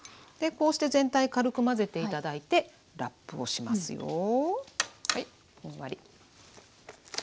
でこうして全体軽く混ぜて頂いてラップをしますよ。